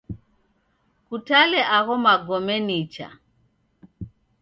Kutale agho magome nicha.